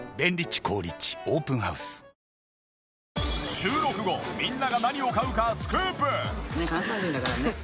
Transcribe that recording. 収録後みんなが何を買うかスクープ！